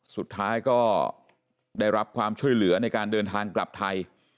สุดท้ายก็ได้รับความช่วยเหลือในการเดินทางกลับไทย